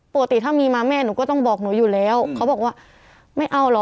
ปกติถ้ามีมาแม่หนูก็ต้องบอกหนูอยู่แล้วเขาบอกว่าไม่เอาเหรอ